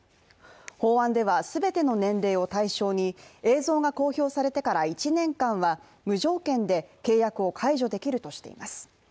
法案では全ての年齢を対象に、映像が公表されてから１年間は無条件で契約を解除できるとしています。